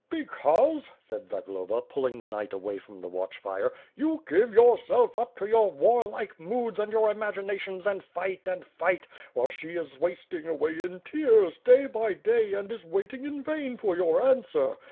"Because," said Zagloba, pulling the knight away from the watch fire, "you give yourself up to your warlike moods and your imaginations and fight and fight; while she is wasting away in tears day by day and is waiting in vain for your answer.